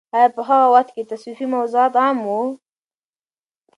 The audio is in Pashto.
آیا په هغه وخت کې تصوفي موضوعات عام وو؟